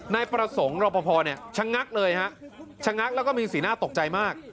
นายประสงค์รอปภชะงักเลยฮะชะงักแล้วก็มีสีหน้าตกใจมาก